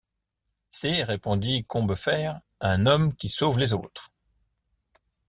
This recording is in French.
C’est, répondit Combeferre, un homme qui sauve les autres.